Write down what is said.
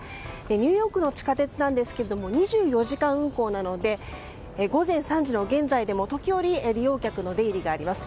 ニューヨークの地下鉄ですが２４時間運行なので午前３時の現在でも時折、利用客の出入りがあります。